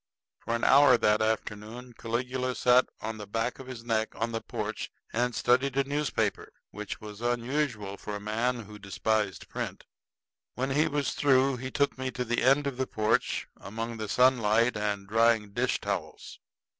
For an hour that afternoon Caligula sat on the back of his neck on the porch and studied a newspaper, which was unusual in a man who despised print. When he was through he took me to the end of the porch among the sunlight and drying dish towels.